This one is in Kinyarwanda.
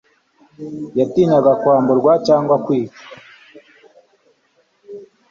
Yatinyaga kwamburwa cyangwa kwicwa